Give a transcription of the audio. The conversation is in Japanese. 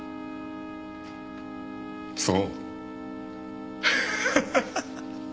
そう。